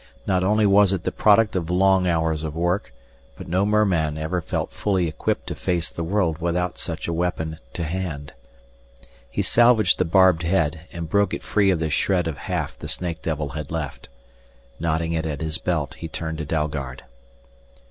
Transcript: Not only was it the product of long hours of work, but no merman ever felt fully equipped to face the world without such a weapon to hand. He salvaged the barbed head and broke it free of the shred of haft the snake devil had left. Knotting it at his belt he turned to Dalgard.